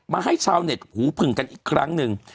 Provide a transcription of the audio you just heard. ให้ชาวเน็ตหูผึ่งกันอีกครั้งหนึ่ง